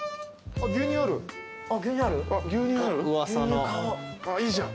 ああいいじゃん。